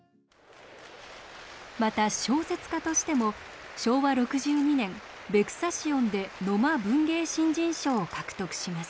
また小説家としても昭和６２年「ヴェクサシオン」で野間文芸新人賞を獲得します。